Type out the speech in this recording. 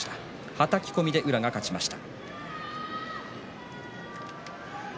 はたき込みで宇良が勝ちました。